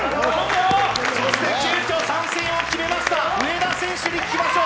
そして急きょ参戦を決めました上田選手に聞きましょう。